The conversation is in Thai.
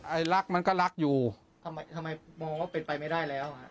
รักมันก็รักอยู่ทำไมทำไมมองว่าเป็นไปไม่ได้แล้วฮะ